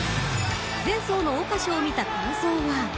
［前走の桜花賞を見た感想は］